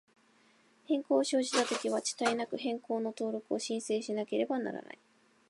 変更を生じたときは、遅滞なく、変更の登録を申請しなければならない。